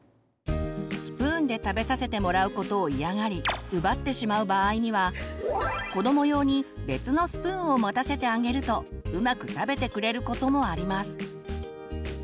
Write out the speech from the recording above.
スプーンで食べさせてもらうことを嫌がり奪ってしまう場合には子ども用に別のスプーンを持たせてあげるとうまく食べてくれることもあります。